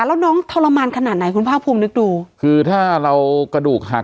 แล้วน้องทรมานขนาดไหนคุณภาคภูมินึกดูคือถ้าเรากระดูกหัก